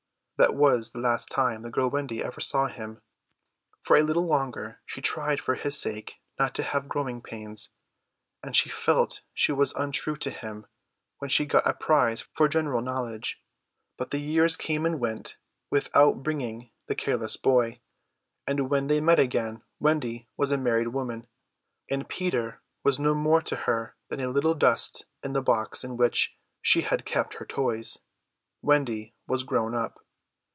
That was the last time the girl Wendy ever saw him. For a little longer she tried for his sake not to have growing pains; and she felt she was untrue to him when she got a prize for general knowledge. But the years came and went without bringing the careless boy; and when they met again Wendy was a married woman, and Peter was no more to her than a little dust in the box in which she had kept her toys. Wendy was grown up.